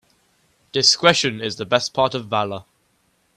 Discretion is the better part of valour.